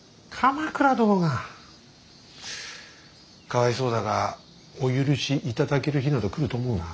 かわいそうだがお許しいただける日など来ると思うな。